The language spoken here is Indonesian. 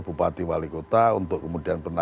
bupati wali kota untuk kemudian